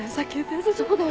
そうだよ。